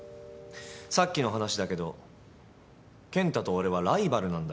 さっきの話だけど健太と俺はライバルなんだよ。